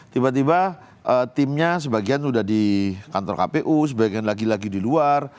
tiba tiba timnya sebagian sudah di kantor kpu sebagian lagi lagi di luar